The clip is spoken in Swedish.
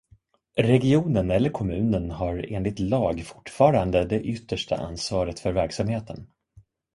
Regionen eller kommunen har enligt lag fortfarande det yttersta ansvaret för verksamheten.